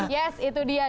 yes itu dia